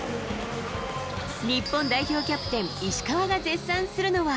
日本代表キャプテン、石川が絶賛するのは。